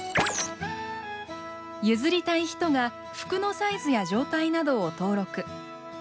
譲りたい人が服のサイズや状態などを登録。